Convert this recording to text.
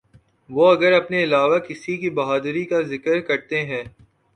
وہ اگر اپنے علاوہ کسی کی بہادری کا ذکر کرتے ہیں۔